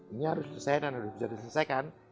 ini harus diselesaikan dan harus bisa diselesaikan